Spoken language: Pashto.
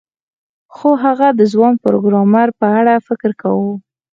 خو هغه د ځوان پروګرامر په اړه فکر کاوه